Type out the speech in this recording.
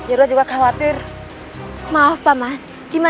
aku harus segera membantunya